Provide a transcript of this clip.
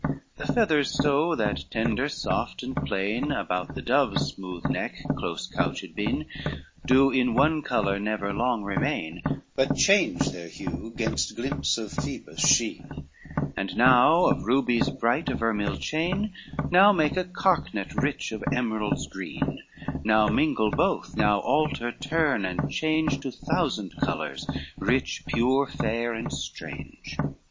V The feathers so, that tender, soft, and plain, About the dove's smooth neck close couched been, Do in one color never long remain, But change their hue gainst glimpse of Phoebus' sheen; And now of rubies bright a vermeil chain, Now make a carknet rich of emeralds green; Now mingle both, now alter, turn and change To thousand colors, rich, pure, fair, and strange.